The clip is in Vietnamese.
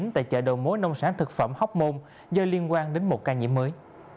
tại chợ đầu mối nông sản thực phẩm hocmon do liên quan đến một ca nhiễm mới